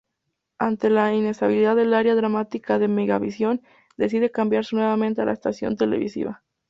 Ante la inestabilidad del área dramática de Megavisión, decide cambiarse nuevamente de estación televisiva.